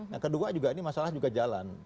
yang kedua juga ini masalah juga jalan